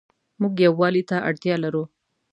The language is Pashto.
موږ يووالي ته اړتيا لرو